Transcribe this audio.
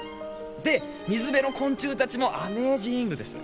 で水辺の昆虫たちもアメージングです。